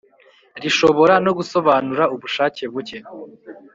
Rishobora no gusobanura ubushake buke.